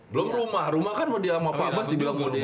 belum rumah rumah kan mau dia sama pak bas di bilang mau dia